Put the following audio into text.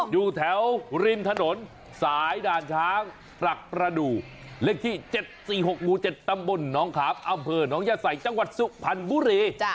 อยู่แถวริมถนนสายด่านช้างปรักประดูเลขที่๗๔๖หมู๗ตำบลน้องขาบอนยศัยจังหวัดสุพันธ์บุรี